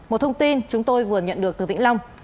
một thông tin chúng tôi vừa nhận được từ vĩnh long